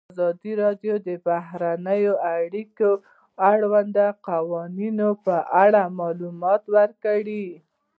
ازادي راډیو د بهرنۍ اړیکې د اړونده قوانینو په اړه معلومات ورکړي.